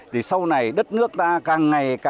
thì sau này đất nước ta càng ngày càng tốt hơn